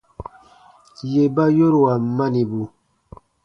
Yè ba yoruan manibu.